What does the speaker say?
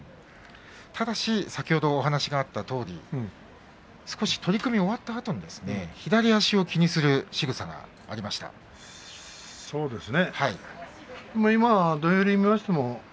ただし先ほどお話があったとおり少し取組が終わったあとに左足を気にするしぐさがありました。